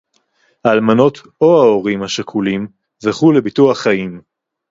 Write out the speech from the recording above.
האלמנות או ההורים השכולים זכו לביטוח חיים